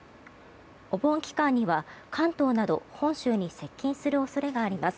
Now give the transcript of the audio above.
お盆期間には関東など本州に接近する恐れがあります。